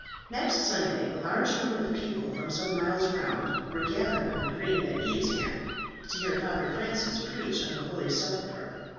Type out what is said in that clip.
Next Sunday a large number of people from some miles round were gathered on the green at Evesham, to hear Father Francis preach on the holy sepulchre.